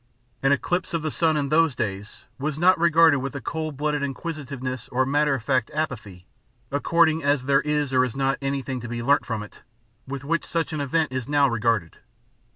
An eclipse of the sun in those days was not regarded with the cold blooded inquisitiveness or matter of fact apathy, according as there is or is not anything to be learnt from it, with which such an event is now regarded.